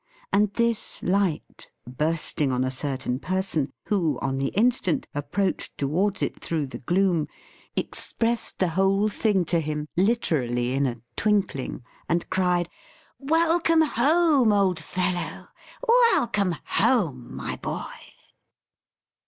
And this light, bursting on a certain person who, on the instant, approached towards it through the gloom, expressed the whole thing to him, literally in a twinkling, and cried, "Welcome home, old fellow! Welcome home, my Boy!"